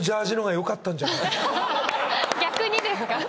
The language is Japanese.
逆にですか？